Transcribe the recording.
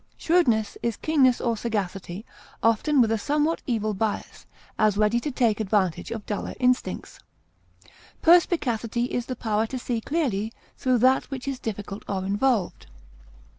Shrewdness is keenness or sagacity, often with a somewhat evil bias, as ready to take advantage of duller intellects. Perspicacity is the power to see clearly through that which is difficult or involved.